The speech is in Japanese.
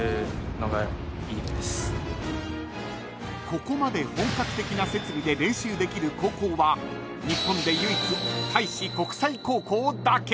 ［ここまで本格的な設備で練習できる高校は日本で唯一開志国際高校だけ］